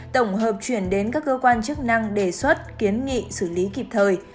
tổng hợp chuyển đến các cơ quan chức năng đề xuất kiến nghị xử lý kịp thời